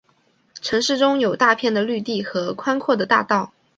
城市中有大片的绿地和宽阔的大道。